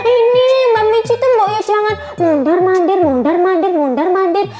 ini mbak minci tuh mbak ya jangan mundar mandir mundar mandir mundar mandir